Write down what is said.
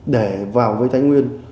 để vào với thái nguyên